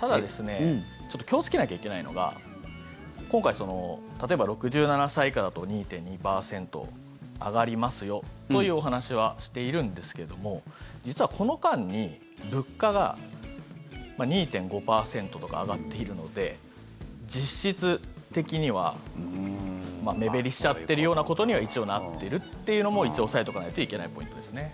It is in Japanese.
ただですね、ちょっと気をつけなきゃいけないのが今回、例えば６７歳以下だと２．２％上がりますよというお話はしているんですけども実は、この間に物価が２．５％とか上がっているので実質的には目減りしちゃっているようなことには一応なっているというのも一応押さえておかなきゃいけないポイントですね。